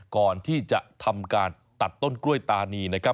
ก่อนที่จะทำการตัดต้นกล้วยตานีนะครับ